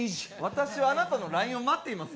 「私はあなたのＬＩＮＥを待っています」？